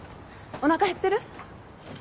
おなか減ってる？